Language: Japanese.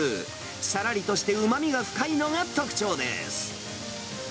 さらりとしてうまみが深いのが特徴です。